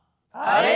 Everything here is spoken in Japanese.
はい。